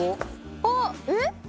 あっ！